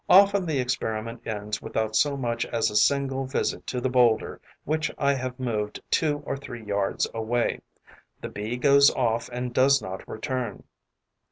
Often the experiment ends without so much as a single visit to the boulder which I have moved two or three yards away: the Bee goes off and does not return.